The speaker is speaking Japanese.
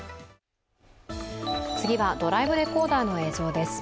次はドライブレコーダーの映像です。